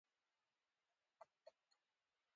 که د ژمن سیاست هڅه هم شوې وي.